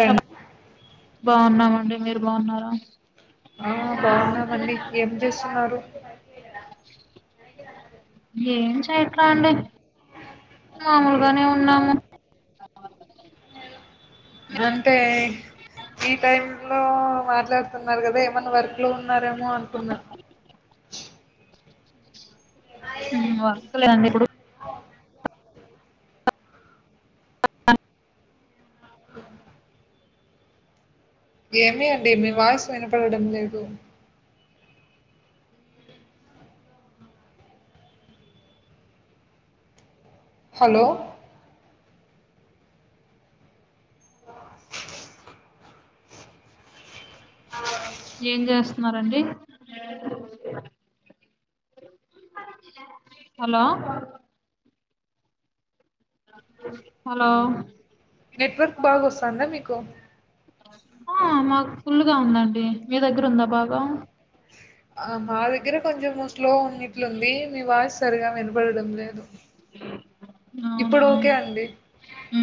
చెప్ బాగున్నామండి మీరు బాగున్నారా ఆ బాగున్నామండి ఏం చేస్తున్నారు ఏం చేయట్లే అండి మామూల్గనే ఉన్నాము అంటే ఈ టైమ్లో మాట్లాడ్ తున్నారు కద ఏమన్న వర్క్లో ఉన్నారేమో అనుకున్న ఉం వస్తలేదండి ఇప్పుడు ఏమి అండి మీ వాయిసు వినపడడం లేదు హలో ఆ ఏం చేస్తున్నారండి హలో హలో నెట్వర్క్ బాగా వస్తుందా మీకు ఆ మాకు ఫుల్గా గ ఉందండి మీ దగ్గర ఉందా బాగా ఆ మా దగ్గర కొంచెం స్లో ఉన్నిట్లుంది మీ వాయిస్ సరిగా వినబడడం లేదు ఇప్పుడు ఓకే అండి ఆ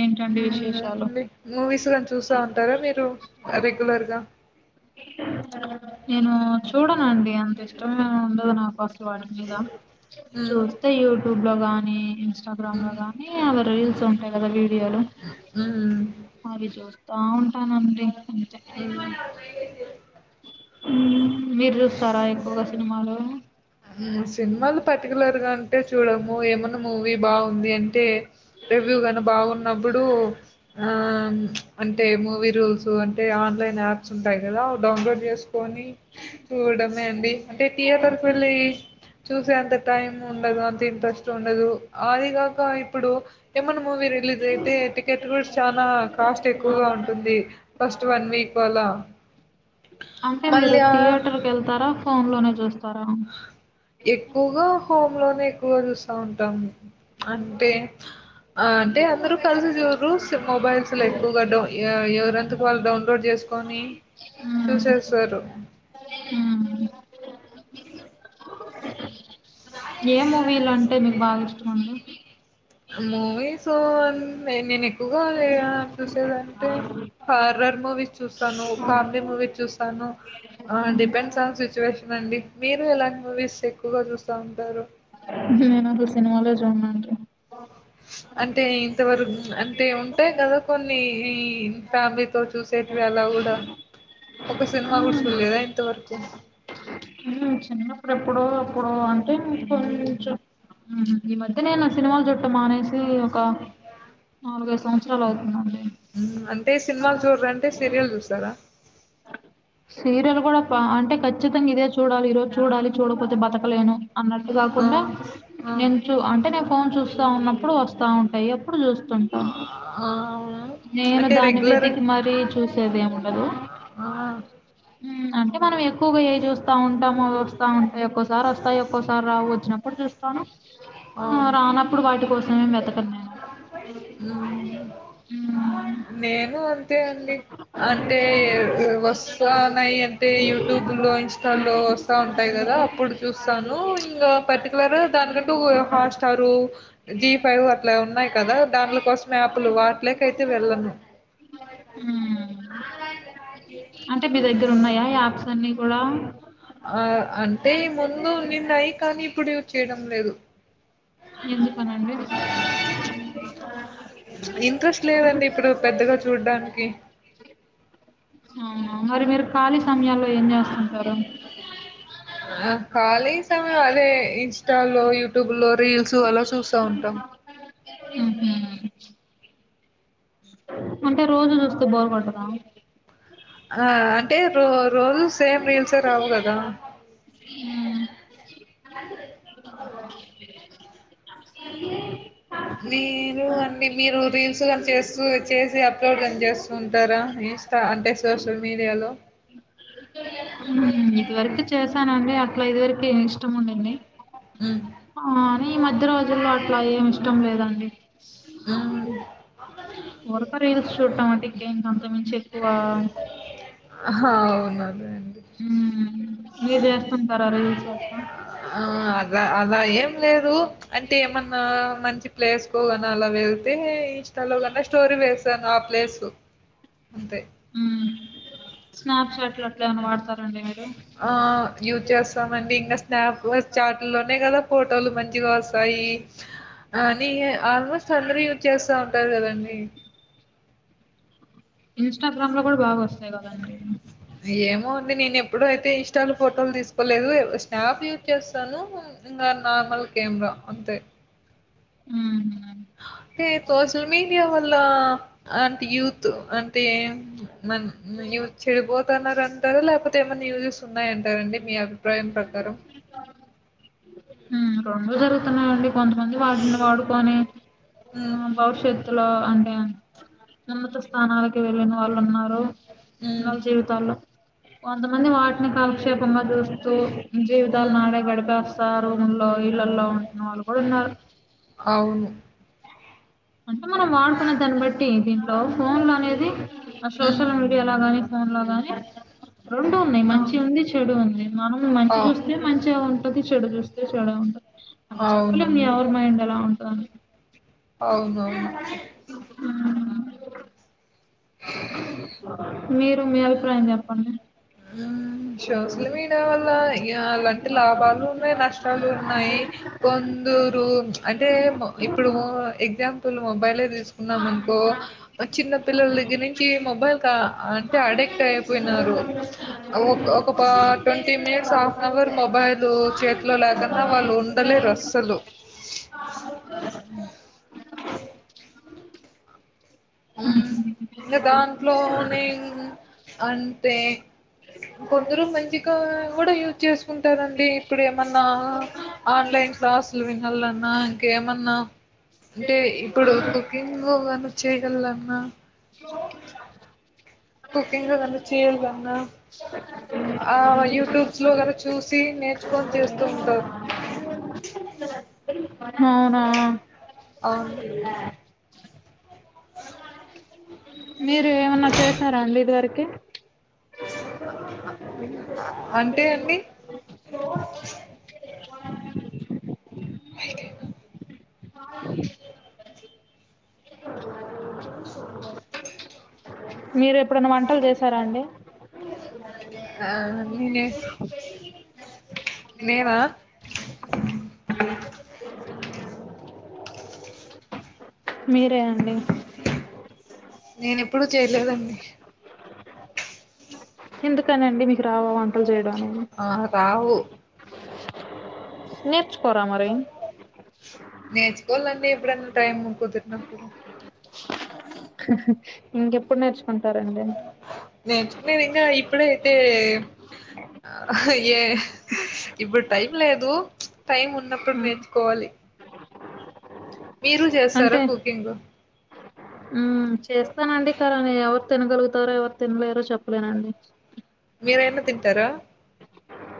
ఏంటండి మ్మ్, విశేషాలు అండి మూవీస్ కానీ చేస్తా ఉంటారా మీరు రెగ్యులర్ గా నేను చూడనండి అంత ఇష్టమే ఉండదు నాకు అసలు ఉమ్ చూస్ అయితే యూట్యూబ్ లో గానీ ఇన్స్టాగ్రామ్ లో ఉమ్ గానీ అవ రీల్స్ ఉంటాయి కదా వీడియోలు ఉమ్ అవి చూస్తా ఉంటానండి హు మీరు చూస్తారా ఎక్కువగా సినిమాలు సినిమాలు పర్టికులర్ గా అంటే చూడము ఏమన్నా మూవీ బాగుంది అంటే రివ్యూ కాని బాగున్నప్పుడు అంటే మూవీ రూల్స్ అంటే ఆన్లైన్ యాప్ స్ ఉంటాయి కదా అవి డౌన్లోడ్ చేసుకొని కోవడమే అండి అంటే థియేటర్కు వెళ్లి చూసే అంత టైం ఉండదు అంత ఇంట్రెస్ట్ ఉండదు అది కాక ఇప్పుడు ఏమన్నా మూవీ రిలీజ్ అయితే టికెట్ కూడా చాలా కాస్ట్ ఎక్కువగా ఉంటుంది ఫస్ట్ వన్ వీక్ అలా అంటే మీరు మళ్ళీ ఆహ్ థియేటర్కి వెళ్తారా ఫోన్ లోనే చూస్తారా ఎక్కువగా హోమ్ లోనే ఎక్కువగా చూస్తా ఉంటాము అంటే [inaudible] అంటే అందరూ కలిసి చూడరు మొబైల్స్ లో ఎక్కువగా డౌ ఎవరెంతకు వాళ్ళు డౌన్లోడ్ చేసు కొని చూసేస్తారు ఉ ఏ మూవీలు అంటే మీకు బాగా ఇష్టం అండి మూవీస్ అ నేను ఎక్కువ చూసేదంటే హారర్ మూవీ చూస్తాను కామెడీ మూవీ చూస్తాను ఆ మ్మ్. డిపెండ్స్ ఆన్ సిచ్యువేషన్ అండి మీరు ఎలాంటి మూవీస్ ఎక్కువగా చూస్తా ఉంటారు నేను అసలు సినిమాలే చూడను అండి అంటే ఇంతవరకు అంటే ఉంటయి కదా కొన్ని ఈ ఫ్యా మిలీ తో చూసేటివి అలా కూడా ఒక సిన్మా కూడా మ్మ్. చూలేదా ఇంతవరకు చిన్నప్పుడు ఎప్పుడో అప్పుడు అంటే కొంచెం ఈ మధ్య నేను సినిమాలు చూడడం మానేసి ఒక నాలుగైదు సంవత్సరాలు అవుతుందండి అంటే సినిమాలు చూడరంటే సీరియల్ చూస్తారా సీరియల్ కూడా అంటే ఖచ్చితంగా ఇదే చూడలి ఈరోజు చూడాలి చూడపోతే బతకలేను అన్నట్టు ఆ కాకుండా ఆ నేను చూ అంటే నేను ఫోన్ చూస్తాన్నప్పుడు వస్తా ఉంటాయి అప్పుడు చూస్ ఉంటాను ఆ వునా నేను దాన్ని వెతికి మరీ చూసేది ఏముండదు ఆ అంటే మనం ఎక్కువగా ఏ చూస్తాంటామో వస్తా ఉంటాయి ఒక్కోసారి వస్తాయి ఒక్కోసారి రావు వచ్చినప్పు ప్పుడు చూస్తాను అవును రానప్పుడు వాటి కోసం ఏం వెతకన్ నేను మ్మ్. ఉ నేను అంతే అండి అంటే వస్తన్నాయి అంటే యూట్యూబ్ లో ఇన్స్టాలో వస్ స్తా ఉంటాయి కదా అప్పుడు చూస్తాను ఇంకా పర్టికులర్ గా దానికంటూ హాట్స్టారు జీ ఫైవ్ అట్ల ఉన్నాయి కదా దాంల కోసం యాప్లు వాట్లకయితే వెళ్ళను అంటే మీ దగ్గర ఉన్నాయా యాప్స్ అన్ని కూడా ఆ ఆ అంటే ముందు నిన్న అయి కానీ ఇప్పుడు చేయడం లేదు ఎందుకనండి ఇంట్రెస్ట్ లేదండి ఇప్పుడు పెద్దగా చూడ్డానికి అవునా మరి మీరు ఖాళీ సమయాల్లో ఏం చేస్తుంటారు ఆ ఖాళీ సమయం అదే ఇన్స్టా లో యూట్యూబ్ లో రీల్స్ అలా చూస్త ఉంటాం ఉహు అంటే రోజు చూస్తే బోరు కొట్టద ఆ అంటే రో రోజు సేమ్ రీల్సే రావు కదా మ్ హలో మీరు అన్నిమీరు రీల్స్ కానీ చేస్తూ చేసి అప్లోడ్ కాని చేస్తూ ఉంటారా రీల్స్ అంతా అంటే సోషల్ మీడియాలో ఇది వరకు చేశానండి అట్ల ఇది వరకు ఇష్టం ఉందండి మ్ కాని ఈ మధ్య రోజుల్లో అట్ల ఏమి ఇష్టం లేదండి ఆ అండి ఉరక రీల్స్ చూడటం అంటే ఇంకేమి అంతకుమించి ఎక్కువ అవునఅర్థమైంది ఉ మీరు చేస్తుంటారా రీల్స్ గట్ల ఆ అద అలా ఏం లేదు అంటే ఏమన్నా మంచి ప్లేస్కు గన అలా వెళ్తే ఇన్స్టాలో గన స్టోరి వేసాను ఆ ప్లేసు అంతే హ్మ్ స్నాప్చాట్లు అట్లా ఏమన్నా వాడతారండి మీరు ఆ యూజ్ చేస్తామండి ఇంకా స్నాప్ చాట్ లోనే కదా ఫోటోలు మంచిగా వస్తాయి ఆ నీ ఆల్మోస్ట్ అందరు యూజ్ చేస్తా ఉంటారు కదండి ఇన్స్టాగ్రామ్ లో కూడా బాగ వస్తాయి కదండి ఏమో అండి నేను ఎప్పుడయితే ఇన్స్టా లో ఫోటోలు తీసుకు లేదు స్నాప్ యూజ్ చేస్తాను ఇంకా నార్మల్ కెమెరా అంతే ఊహు అంటే సోషల్ మీడియా వల్ల అంటే యూత్ అంటే మ న్యూ చెడిపోతున్నంటారు లేకపోతే ఏమన్నా న్యూజెస్ ఉన్నాయంటారండి మీ అభి ప్రయం పకారం ఊ రెండు జరుగుతున్నాయ్ అండి కొంతమంది వాటిని వాడుకొని ఆ హ్మ్. భవిష్యత్తులో అంటే ఉన్నత స్థానాలకి వెళ్ళిన వాళ్ళు ఉన్నారు హ్మ్. నాల్ జీవితాల్లో కొంతమంది వాటిని కాలక్షేపంగా చూస్తు తు జీవితాలు హ్మ్. నాడే గడిపేస్తారు రూమ్ లో ఇళ్లల్లో ఉంటున్న వాళ్ళు కూడా ఉన్నారు అవును అంటే మనం వాడుకునే దాన్ని బట్టి దీంట్లో ఫోన్లు అనేది ఆ హ్మ్. సోషల్ మీడియా యల గాని ఫోన్ లో గాని రెండు ఉన్నాయి ఆ! మంచి ఉంది చెడు ఉంది మనం మంచి అవ్ చూస్ అదే మంచిగా ఉంటుంది చెడు చూస్తే చెడు ఉంటుది అలా చెప్పలేం అవునండి. ఎవర్ మైండ్ ఎలా ఉంటదని అవునవును ఊ మీరు మీ అభిప్రాయం చెప్పండి ఉమ్ షోసల్ వి యా వల్ల ఇగ అలా అంటే లాభాలు ఉన్నాయి నష్టాలు ఉన్నాయి కొందురు అంటే ఇప్పుడు ఎగ్జాంపుల్ మొబైలే తీసుకున్నాం అనుకో ఒ చిన్న పిల్లల దగ్గర నుంచి మొబైల్ క అంటే అడిక్ట్ అయిపోయినారు ఒక ఒక ప twenty minutes half an hour mobile చేతిలో లేకున్నా వాళ్ళు ఉన్ డ లేరస్సలు [unintelligible] ఊ ఇంకా దాంట్లోనే అంటే కొందరు మంచిగా కూడా యూజ్ చేసుకుంటారండి ఇప్పుడు ఏమన్నా ఆన్లైన్ క్లాస్లు వినలన్నా ఇంక ఏమన్నా అంటే ఇప్పుడు కుకింగు అన్నా చేయలన్న [unintelligible] కుకింగ్ అదన్న చేయాలన్న ఆ యూట్యూబ్స్ లో కన చూసి నేర్చుకొని చేస్తూ ఉంటారు అవునా అవును మీరు ఏమన్నా చేసారాండి ఇది వరకి అంటే అండి [inaudible] మీరు ఎప్పుడనా వంటలు చేసారా అండి ఆ నేస్ నేన మీరే అండి నేను ఎప్పుడు చేయలేదండి ఎందుకని అండి మీకు రావ వంటలు చేయడం అనేది ఆహా రావు [inaudible] నేర్చుకోరా మరి నేర్చుకోవాలండి ఎప్పుడన్నా టైం కుదిరినప్పుడు ఇంక ఎప్పుడు నేర్చ్ అంటారండి నేర్చుకునేది ఇంకా ఇప్పుడయితే ఆ ఏ ఇప్పుడు టైం లేదు ప్చ్ టైమ్ ఉన్నప్పుడు నేర్చుకోవాలి మీరు చేస్తారా కుకింగు ఉమ్ చేస్ చేస్తానండి కని ఎవరు తినగలుగుతారో ఎవరు తినలేరో చెప్పలేనండి మీరైనా తింటారా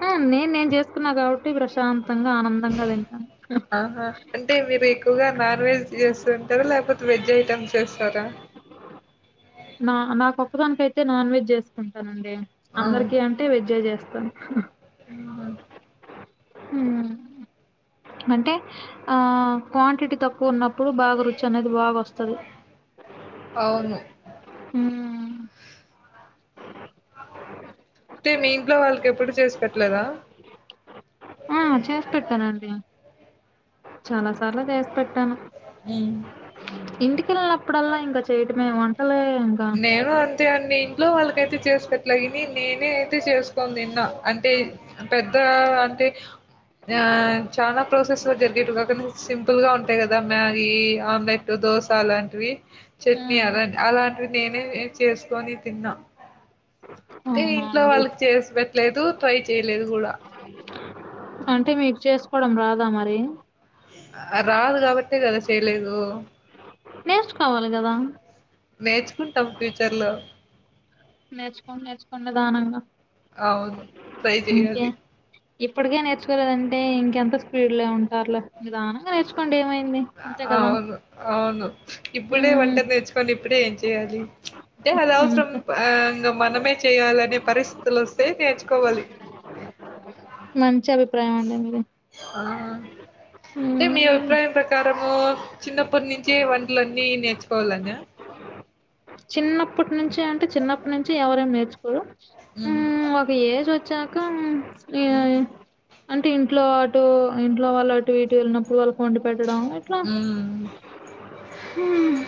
ఆ నేను నేను చేసుకున్నా కాబట్టి ప్రశాంతంగా ఆనందంగా తింటాను ఆహా అంటే మీరు ఎక్కువగా నాన్ వెజ్ చేస్తుంటారా లేకపోతే వెజ్ ఐటమ్స్ చేస్తారా నా నాకొక్కదానికైతే నాన్ వెజ్ చేసుకుంటానండి అందరికి అ అంటే వెజ్జే చేస్తాను ఆహా ఉమ్ అంటే ఆ క్వాంటిటీ తక్కువ ఉన్నప్పుడు బాగా రుచి అనేది బాగా వస్తది అవును హుమ్ అంటే మీ ఇంట్లో వాళ్ళకి ఎప్పుడు చేసి పెట్టలేదా ఆ చేసి పెట్టానండి చాలా సార్లు చేసి పెట్టాను ఉ ఇంటికెళ్ళినప్పుడల్లా ఇంకా చేయటమే వంటలే ఇంకా నేను అంతే అండి ఇంట్లో వాళ్ళకైతే చేసి పెట్టలేగని నేనే అయితే చేసుకో తిన్న అంటే పెద్ద అంటే ఆ చాలా ప్రాసెస్ లో జరిగేట్టు కాక సింపుల్ గా ఉంటాయి కదా మ్యాగీ ఆమ్లెట్ దోశ అలాంటివి ఆ చట్నీ అలాంటివి అలాంటివి నేనే చేసుకొని తిన్నా అంటే అవునా ఇంట్లో అండి వాళ్ళకి చేసి పెట్టలేదు ట్రై చేయలేదు కూడా అంటే మీకు చేసుకోవడం రాదా మరి రాదు కాబట్టే కదా చేయలేదు నేర్చుకోవాలి కదా నేర్చుకుంటాం ఫ్యూచర్ లో నేర్చుకోండి నేర్చుకోండి నీదానంగా అవును ట్రై చేయ్యాలి ఇప్పటికే నేర్చుకోలేదంటే ఇంకెంత స్పీడ్ లో ఉంటారులే నిదానంగా నేర్చుకోండి ఏమైంది అంతే కదా అవును అవును ఇప్పుడే ఉమ్ వంట నేర్చుకొని ఇప్పుడే ఏం చెయాలి అంటే అది అవసరం అంతే ఇంకా మనమే చేయాలనే పరిస్థితులు వస్తే నేర్చుకోవాలి మంచి అభిప్రాయం అండి మీది ఆ మీ ఉమ్ అభిప్రాయం ప్రకారం ప్రకారము చిన్నప్పటి నుంచి వంటలున్నీ నేర్చుకోవాలని చిన్నప్పటి నుంచిే అంటే చిన్నప్పటి నుంచి ఎవరేం నేర్చుకోరు ఉమ్ ఆ ఒక ఏజ్ వచ్చాక ఈ ఉ అంటే ఇంట్లో అటు ఇంట్లో వాళ్ళ అటు ఇటు వెళ్ళినప్పుడు వాళ్ళుకు వొండి పెట్ట ఉమ్ హ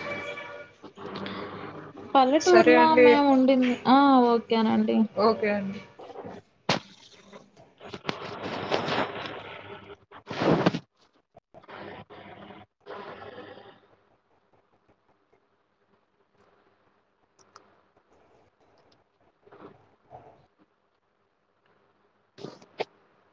సరే పల్లెటూరులో అండి. మేము ఉండింది ఆ ఓకేనండి ఓకే అండి [inaudible] [inaudible] [inaudible]